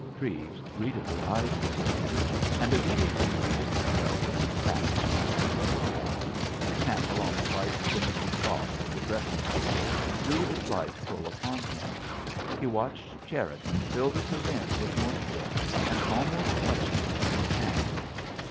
Treves greedily eyed the syringe, and obediently seated himself with his back to the little mirror. The candle on the white dimity cloth of the dressing table threw its light full upon him. He watched Cherriton fill the syringe with morphia, and almost clutched it from his hand.